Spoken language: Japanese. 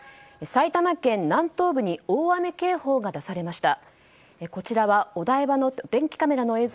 埼玉県南東部に大雨警報が出されました。